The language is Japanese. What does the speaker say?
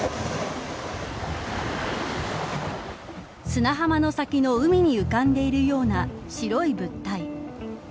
砂浜の先の海に浮かんでいるような白い物体。